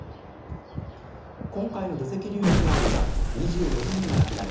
今回の土石流の被害では２６人が亡くなり